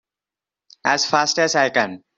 As fast as I can!